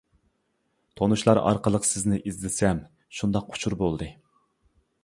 تونۇشلار ئارقىلىق سىزنى ئىزدىسەم، شۇنداق ئۇچۇر بولدى.